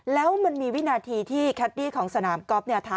แล้วมันมีวินาทีที่แคลดดี้ของสนามกอล์ฟเนี่ย